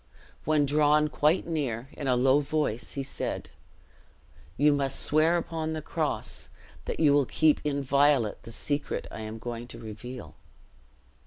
When drawn quite near, in a low voice he said, "You must swear upon the cross that you will keep inviolate the secret I am going to reveal."